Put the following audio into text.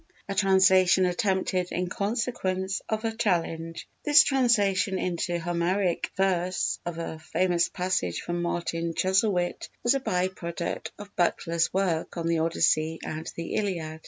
A Translation Attempted in Consequence of a Challenge This translation into Homeric verse of a famous passage from Martin Chuzzlewit was a by product of Butler's work on the Odyssey and the Iliad.